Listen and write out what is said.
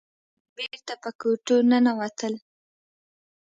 ټول بېرته په کوټو ننوتل.